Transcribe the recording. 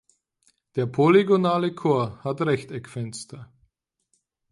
Der polygonale Chor hat Rechteckfenster.